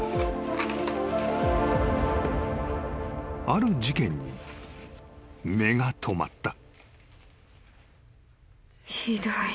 ［ある事件に目が留まった］